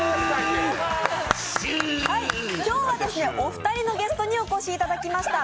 今日はお二人のゲストにお越しいただきました。